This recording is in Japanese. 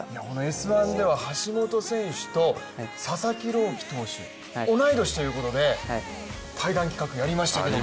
「Ｓ☆１」では橋本選手と佐々木朗希投手、同い年ということで対談企画やりましたけれども。